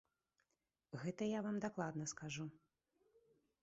Гэта я вам дакладна скажу.